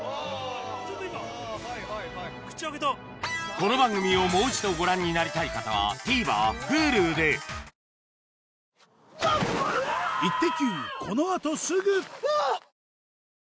この番組をもう一度ご覧になりたい方はＴＶｅｒＨｕｌｕで血圧はちゃんとチェック！